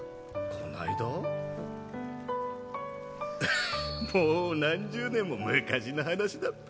こないだ？ははっもう何十年も昔の話だっぺ。